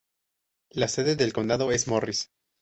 La sede del condado es Morris.